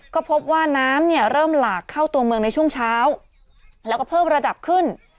ก็พบว่าน้ำเนี่ยเริ่มหลากเข้าตัวเมืองในช่วงเช้าแล้วก็เพิ่มระดับขึ้น